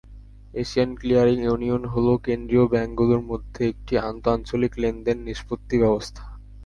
Asian Clearing Union হলো কেন্দ্রীয় ব্যাংকগুলোর মধ্যে একটি আন্ত আঞ্চলিক লেনদেন নিষ্পত্তিব্যবস্থা।